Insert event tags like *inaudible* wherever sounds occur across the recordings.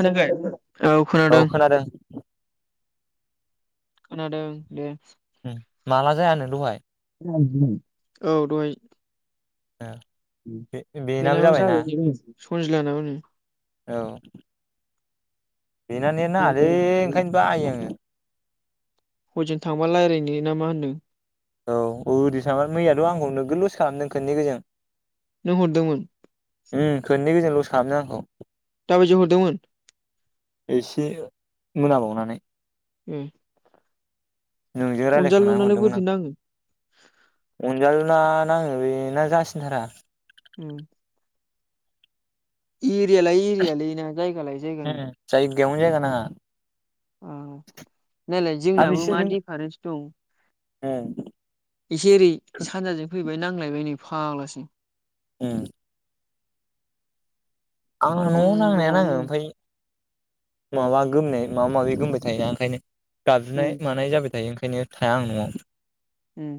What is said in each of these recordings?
खोनादों? औ खोनादों खोनादों दे। ओम माला जायानो दहाय? *unintelligible* औ दहाय। ए बे-बेनाबो जाबायना? सनजिला नाबोनो। औ बेना नेट नाङालै ओंखायनो बायो आङो। हजों थांबा रायलायनो ना मा होनदों। औ ओरै *unintelligible* मैयाथ आंखौ नोगोद लस खालामदों खोननै गोजों। नों हरदोंमोन ओम खोननै गोजोन ल खालामदों आंखौ दा बादियाव हरदोंमोन एसे मोनाबावनानै ओम नोंजों रायलायखांनानै अनजालुना लाय हरदोंमोन बोरैथो आं नाङो अनजालुना नाङो बेना जासिनथारा। औ। *inaudible* एरिया लायै एरियालै ना जायगा लायोै उम जायगानि जायगायावनो जायगा नाङा। नालाय आरो जोंनाबो मा बिसोरजों दिफारेन्स दं। उम। एसे ओरै सानजाजों फैबाय। ब नांलायबाय नै फाग्लासो। *inaudible* आं न'आव नांनाया नाङो खन्द'आवनो ओमफ्राय। माबा गोमनाय माबा माबि गोमबाय थायोना ओंखायनो। गाबज्रिनाय उम मानाय जाबाय थायो। बेखायनो थाया आं न'आव। उम।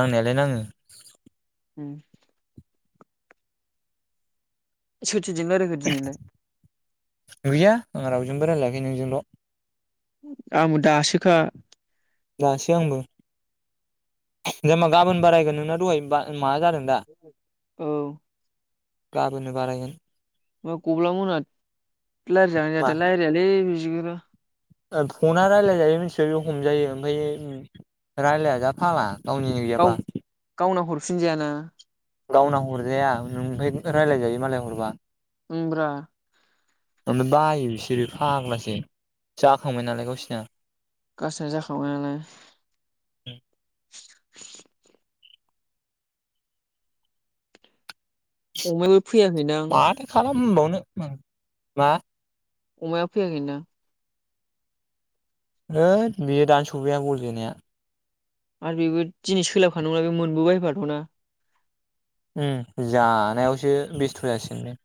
नांनायालाय नाङो। उम। *inaudible* सोरजों रायलायखो दिनै नों? गैया आं रावजोंबो रायज्लाययाखै नोंजोंल'। आंबो दासोखा। दासै आंबो। गाबोन बारायगोन नोंना दहाय माबा जादों दा। औ गाबोननो बारायगोन। *inaudible* मा *inaudible* फना राय्लाय जायो मिथि हमजायो ओमफ्राय रायलाया जा गाव फाला। *inaudible* *inaudible* गावना हरजाया ओंमफ्राय रायज्लाय जायो मालाय हरबा। उम ब्रा। बायो बिसोरो फाग्लासो जाखांबाय नालाय गावसिना। गासिना जाखांबाय नालाय। *inaudible* *unintelligible* फैयाखैदां। मबावनो उम मा। अमाया फैयाखै ना? होद बियो दानो सफैया बल जोनाया आरो बेबो दिनै सोलाबखानांगौला बे मोनबोबायफाथ'ना उम जानायावसो बेस्थ' जासिगोन बे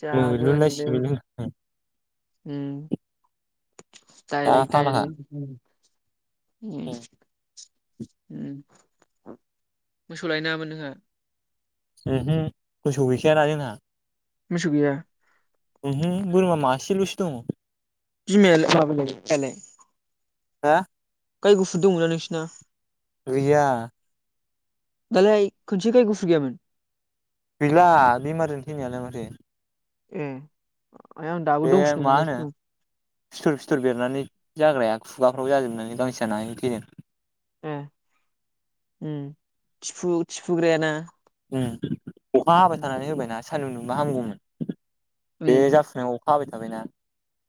जागोनलै मोलुनलायसिगोन उम दा डाइरेक्ट-डाइरेक्ट फाग्लाखा उम-उम उम मोसौ लाय नाङामोन नोंहा? उहो मोसौ गैखाया ना जोंहा मोसौ गैया उहो बोरमा मासेल'सो दंङ बिमायालाय माबालाय फायालाय हा गाय गुफुर दंना नोंसिना? गैया दालाय खनसे गाय गुफुर गैयामोन? गैला बेमारिजों थैनायालाय माथो ए आं दाबो बे दंसो मा होनो दंगासिनो फिथर-फिथर बेरनानै जाग्राया। खुगाफ्राव जाजोबनानै गांसो जाना हायिनि थैदों उम-उम थिफु-थिफुग्रायाना? उम अखा हाबाय थानानै होबायना सानदुं दुंबा हामगौमोन बे उम जाखानायाव थाबाय-थाबायना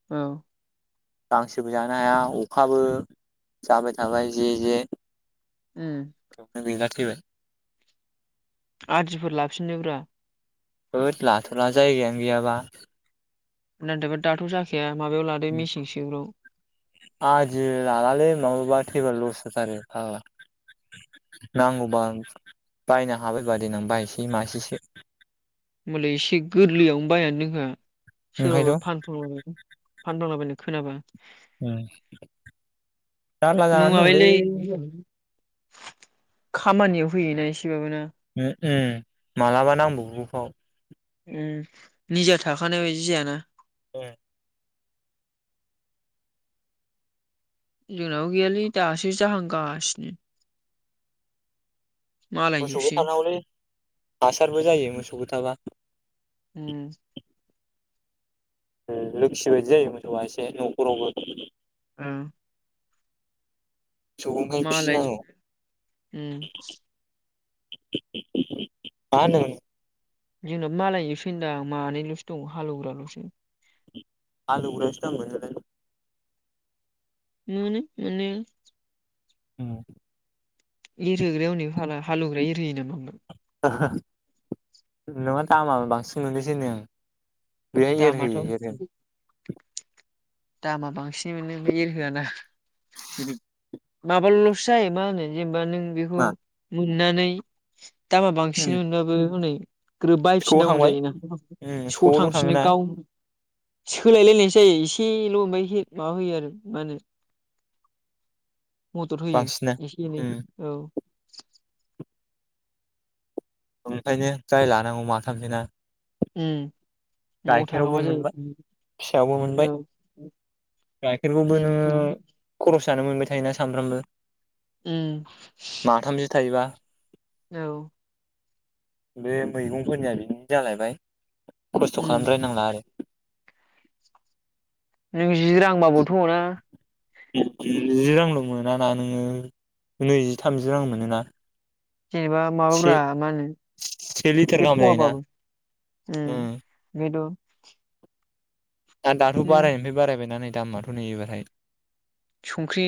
औ गांसोबो जानो हाया अखाबो जाबाय थाबाय जे-जे उम गैला थैबाय आदिफोर लाफिनोब्रा होद लाथ'ला जायगायानो गैयाबा नादोबा दाथ' जाखाया माबायाव लादो मेसें सेफ्राव आदि लालालै माबाबा थैबा लस जाथारो फागला नांगौबा बायनो हाबायबा देनां बायसै मासेसो होमबालाय एसे गोरलैयावनो बायनानै दोनखा ओंखायथ' सोरबाबा फानफ्रांलाबायगोन फानफ्रांलाबायनाय खोनाबा उम जारला जानानै दंलै माबायोलै खामानियाव होयोना एस उ उम मालाबा नामब्रबगौफाव। उम निजा थाखानाय बायदि जायाना? ओं। जोंनाबो गैयालै दासो जाहांगासिनो। मोसौबो मालायजोबसो थानांगौलै, हासारबो जायो मोसौबो थाबा। उम उम लोखि बायदि जायो मोसौआ एसे न'खरावबो। उम। मोसौखौ ओंखायनो मालाय फिनांगौ। उम मा होनो जोंनाबो मालायनि जोबसो दां मानैल'सो दं हालौवग्राल'सो। हालौग्रायासो दाम मोनोलाय। मोनो मोननाया उम। एरहोग्राया हनै फाला हालौवग्राया एरहोयो नामा ओमफाय? नङा दामा बांसिन मोनोसो होन्दों आं। बेलाय एरहोयो दामाथ' एरहो दामा बांसि नि मोनो बे एरहोया ना। माबाल'सो जायो मा होनो जेनोबा नों बिखौ मा मो नानै दामा बांसिन उम मोनबाबो हनै ग्रोब स'आव बायफिन्नांगौ थांबाय जायोना उम स' स'आवल' थांफिनो थाङोना गाव सोलायलायनायसो जायो एस एल' ओमफाय एसे माबा होयो आरो मा होनो मदद होयो बांसिना एसे एनै उम औ। ओंखायनो जाय लानांगौ माथामसोना? उम। न'आव थाखाबा गाइखेरावबो जायो मोनबाय, फिसायावबो मोनबाय, औ गाइखेरखौबो उम नोङो खरस जानो मोनबाय थायोना सामफ्रामबो उम। माथामसो थायोबा औ। बे मैगंफोरनिया बिनिनो जालायबाय। खस्थ' उम खालामद्रायनांला आरो। *unintelligible* जि रां बाबोथ' ना? जि रांल' मोना ना नोङो नैजि थामजि रां मोनोना जेनेबा से माबाब्रा मा होनो से लिटार बे गाहाम जायोना फवाबाबो ओम उम बेद' दा-दाथ' नों बायनायनिफ्राय बारायबायना दामाथ नै एबारहाय संख्रि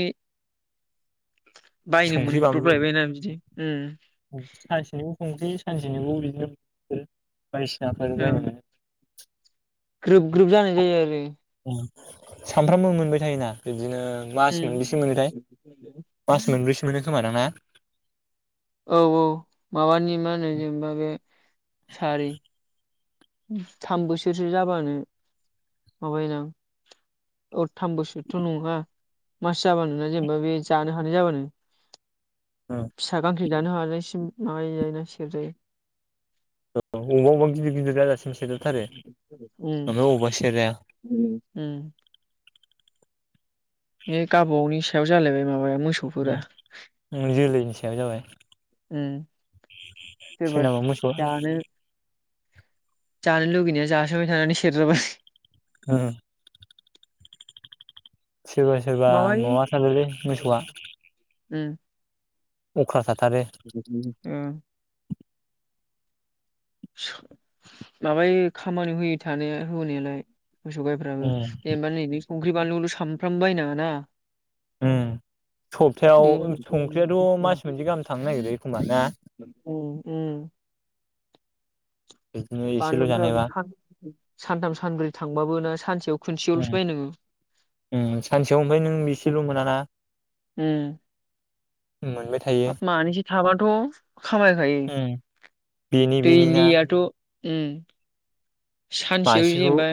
बायनो संख्रि बानलु मोनब्रबलायबायना बिदि ओ सानसेनिखौ संख्रि सानसेनिखौ ओरैनो बायदिसिनाफोर ओं बायनो मोनो ग्रोब ग्रोब जानाय जायो आरो मोनो सानफ्रामबो मोनबाय थायोना बिदिनो मास उम मोनबैसो मोनोथाय मास मोनबैसो मोनो खोमा दां ना औ औ माबानि मा होनो जेनेबा बे सारि थाम बोसोरसो जाबानो माबायोदां अ थाम बोसोरथ नङा मास जाबानो जेनबा बे जानो हानाय जाबानो फिसा गां फिथाय जानो हानायसिम माबाजायो ना सेरजायो औ अबा अबा गिदिर गिदिरा जासिम उम सेरजाया उम उम बे गाबा गावनि सायाव जालायबाय माबाया मो जोलैनि सायाव जाबाय उम सोरबा सोरनाबा मोसौया जानो जानो लुगैनाया जासोबाय थानानै सेरजाबाय ओ सोरबा सोरबा माबायो माबा थारोलै मोसौआ उम अख्राथार *inaudible* उम माबायो खामानियाव होयो थानो होनायालाय मोसौ गाइफ्राबो उम जेनबा नै संख्रि बानलुखौल सानफ्रामबो बायनाङाना उम सबथायाव संख्रियाथ मास मोनसे गाहाम थांनो नागिरो एखमबा ना उम उम बिदिनो एसेल' बानलुफोराबो जानायबा खान सानथाम सानब्रै थांबाबोना सानसेयाव ओ खनसेयावल'सो बायनांगौ सानसेयाव ओमफाय नों बेसेल मोनाना उम। मोनबाय थायो हाब मानैसो थाबाथ' खामायखायो उम बेनि बेनि ना दैलियाथ' उ। सानसेयाव मासेखौ जेनेबा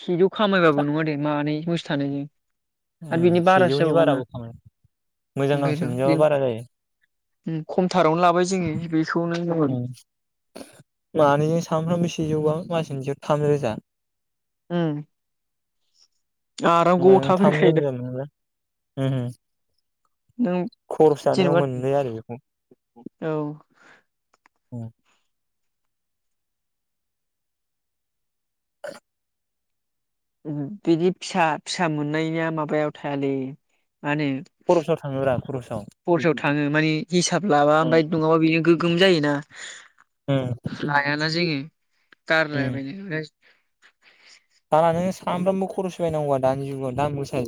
सेजौ खामायबाबो नङा दे मानै आरो उम बिनि बारासो सेजौनि बारा जाबावोना बो खामायो। मोजां गांसो मोनजायाबा बारा जायो। ओ खम मानैजों सानफ्रामबो सेजौबा मास मोनसेयाव थाम रोजा। उ। थाम फैखायोदा रोजा मोनोबा। उम नों खरस जानायाव जेनेबा मोनबाय आरो बेखौ। औ औ। *unintelligible* बिदि फिसा फिसा मोननायनिया माबायाव थायालै। मा होनो खरसाव थाङोब्रा खरसाव। खरसायाव थाङो माने हिसाब लाबा उम ओमफ्राय गोम जायो ना। लाया ना जायो *unintelligible* आरो सानफ्रामबो खरस बायनांगौआ दानि जुगाव दाम गोसा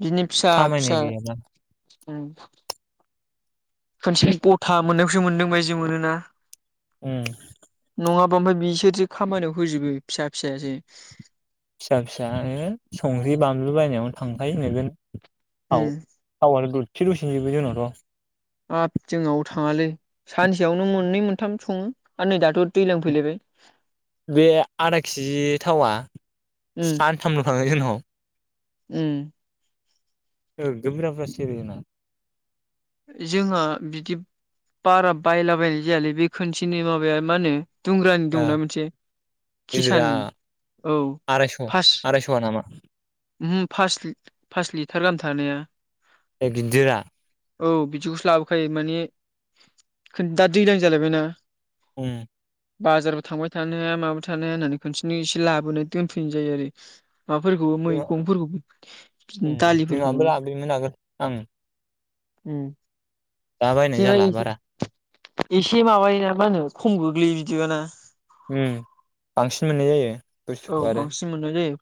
बिनो फिसा खामायनाय फिसा गैयाना खनसेनो गथा मोननायखौसो मोनदों बादि मोनोना? उ। नङाबा ओमफ्राय बिसोरसो खामानियाव होजोबो फिसा फिसायासो। फिसा फिसानो संख्रि बानलु बायनायावनो थांखायो नोगोद औ औ दसे' द'सेनो जोबो जोंनाथ' हाब जोंनाव थाङालै सानसेयावनो मोननै मोनथाम सङो आरो नै दाथ' दैज्लां फैलायबाय बे आदा केजि थावा सान थामल' थांङो जोंनाव। *inaudible* उ। नोगोद ब्रुजा ब्रुजा सेरो जोंना जोंहा बिदि बारा बायलाबायनाय जायालै बे खोनसेनि माबाया मा होनो दुंग्रानि ओ दंना मोनसे गिदिरा किसान औ आरायस' फार्स्ट आरायस'आ नामा उहु पास लिटार गाहाम थानाया। बे गिदिरा। औ बिदिखौसो लाबोखायो माने दा दैज्लां जालायबायना उम। बाजारबो थांबाय थानो हाया माबा थानो हाया होननानै खनसेनो एसे लाबोनानै दोनफैनाय जायो आरो। माबाफोरखौबो जोंहा मैगंफोरखौबो बिदि उम जोंहाबो दालिफोरखौबो लाबोयोमोन आगोल आं उम। दा बायनाय जेनेबा जाला बारा। एसे माबायोना मा होनो खम गोग्लैयो बिदिबाना उम बांसिन मोननाय जायो। औ बुस्थुखौ आरो बांसिन मोनोनाय जायो।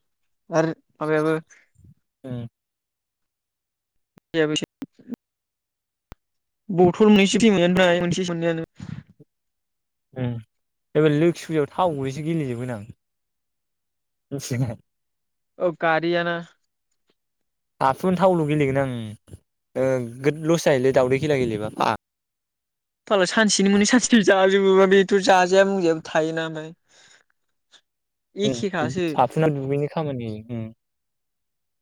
आरो माबायाबो। उम *unintelligible* बथल मोननैसो *unintelligible* मोनसे मोनैयानो एबार लोखि फुजायाव थाव गैसो गेलेेजोबगोन आं मिथिनाय अ गारियाना हाथुनो थावल' गेलेगोन आं गोद लस जाहोलै दावदै खेला गेलेबा सानसेनो मोनो सानसेनि जाजोबोबा बेथ' जाजाया मजायाबो थायो ना उनफाय *unintelligible* दुगैनि खामानि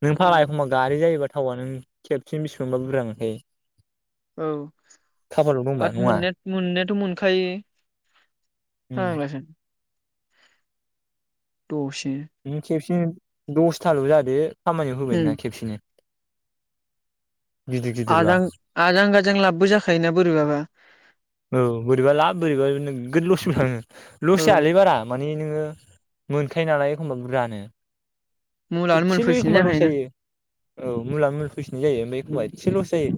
नों उम फाला एखम्बा गारि जायोबा थावआ न खेबसेनो बिसिबांबा बुरजा मोनखायो। औ खाफालाव दंबा आद नङा मोनने मोन थ' मोनखायो। उम फागलासो। द'से *unintelligible* दसथाल' जादों। खामानियाव होबाय उम ना खेबसेनो। गिदिर गिदिरबा आजां आज गाजों लाबबो जाखायोना बोरैबाबा। औ बोरैबा ला बोरैबा नोगद लसबो थाङो। लस औ जायलै बारा माने नोङो मोनखायो नालाय एखमबा बुरजानो। मुलानो एसेल' मोनफैफिननाय एखमबा लस जाखायोना जायो औ मुला मुलि फैफननाय जायो ओमफ्राय उम एखमबा एसे लस जायो।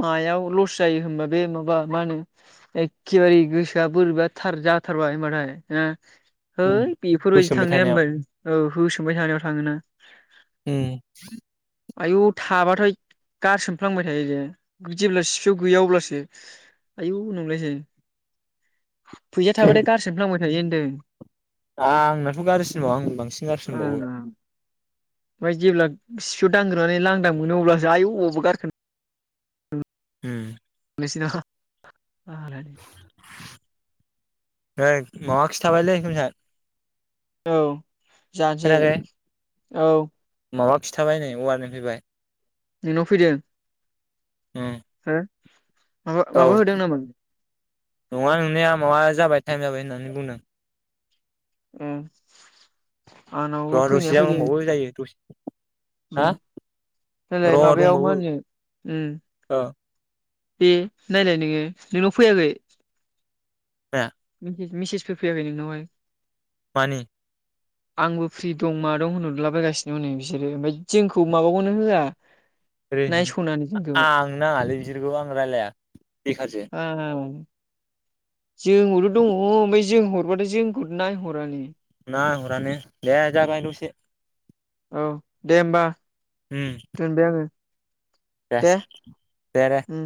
मायाव लस जायो होनबा बे माबा मा होनो एखेबारि गोसोआ बोरैबार जाथारबाय होनबथाय हैइ दै बेफोरबायदि सोमबाय थांनाया थानायाव होनबाय औ हो सोंबाय थानायाव थाङोना आयु थाबाथ' गार सोमफ्लांबाय थायो जे जेब्ला सिफयाव गैया अब्लासो आयौ नंलायसै फैसाया थाबाथाय गारसिनो थांबाय थायो होनदों। दा आंनाथ' गाज्रिसिनबावो आं बांसिन ओ गारसिनबावो औ-। ओमफ्राय जेब्ला खिखौ दांग्रोनानै लांदां मोनो अब्लासो आइ अबावबो गारखोन अम। बिसिना खालामो रे माबा खिथाबायलै बैनाय औ। जाहाथे औ। माबा खिन्थाबाय नै वारनिं फैबाय नोंनाव फैदों? औ। हो माबा -माबा होदों नामा? नङा नोंनिया माबा जाबाय टाइम जाबाय होननानै बुंदों। अम। आंनावबो र' फैनाया दसे जाबाव फैदों दंबावो जायो दसे हा देलाय र' माबायाव मा दंबावो होनो अम ओ दे नायलाय नोङो नोंनाव फैयाखै माया मेसेजफोर फैयाखै नोंनावहाय? मानि आंबो फ्रि दं मा दं होनहरलाबायगासिनो हनै बिसोरो ओमफ्राय जोंखौ माबाखौनो होआ। ओरै नायस'नानै जोंखौ आं नाङालै बिसोरखौ आं रायलाया बेखारसो जोंखौबोथ' दङ ओमफ्राय जों हरबाथ' जोंखौथ' नायहरानो ना हरानो दे जाबाय द'से। औ दे होमबा। उम दोनबाय आड़ो। दे -दे-दे। उम